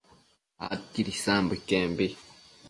adquid isambo iquembi